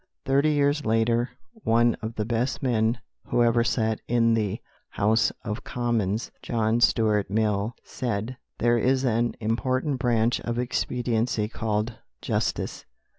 Thirty years later one of the best men who ever sat in the House of Commons, John Stuart Mill, said, "There is an important branch of expediency called justice."